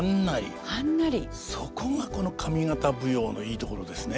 そこがこの上方舞踊のいいところですね。